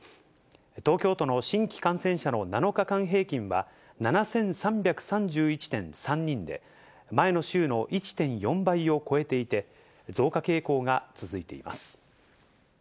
東京都の新規感染者の７日間平均は、７３３１．３人で、前の週の１．４倍を超えていて、増加傾向が続いています。